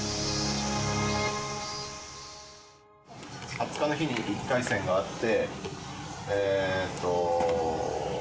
２０日の日に１回戦があって。